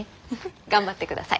頑張ってください。